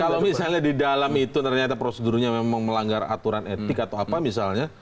kalau misalnya di dalam itu ternyata prosedurnya memang melanggar aturan etik atau apa misalnya